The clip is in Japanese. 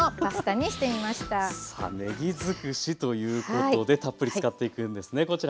さあねぎづくしということでたっぷり使っていくんですねこちら。